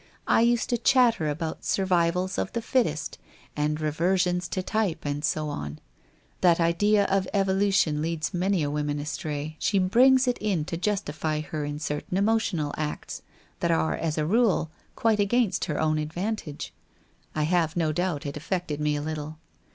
I used to chatter about survivals of the fittest, and reversions to type and so on. That idea of evolution leads many a woman astray. She brings it in to justify her in certain emotional acts, that are as a rule quite against her own advantage. I have no doubt it affected me a little.